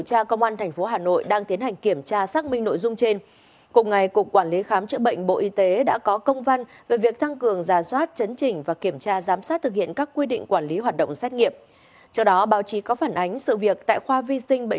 hãy đăng ký kênh để ủng hộ kênh của chúng mình nhé